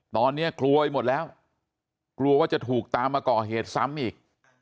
ตอนนี้กลัวไปหมดแล้วกลัวว่าจะถูกตามมาก่อเหตุซ้ำอีก